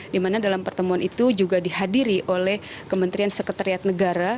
dimana dalam pertemuan itu juga dihadiri oleh kementerian sekretariat negara